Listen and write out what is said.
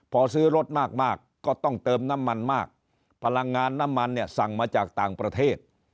พอซื้อรถมากมากก็ต้องเติมน้ำมันมากพลังงานน้ำมันเนี่ยสั่งมาจากต่างประเทศ